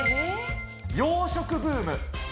洋食ブーム。